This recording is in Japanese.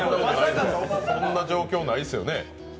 こんな状況ないですよね。